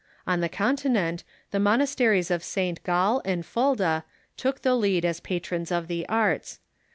On the Continent the monasteries of St. Gall and Fulda took the lead as patrons of the arts.